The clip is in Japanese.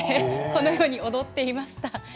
このように踊っていました。